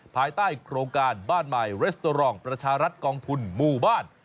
ภายใต้โครงการบ้านใหม่เรสโตรองประชารัฐกองทุนหมู่บ้าน